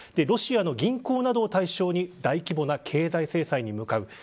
ロシアの銀行などを対象に大規模な経済制裁に向かう。